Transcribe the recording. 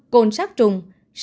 năm cồn sát trùng